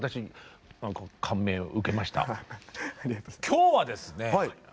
今日はですね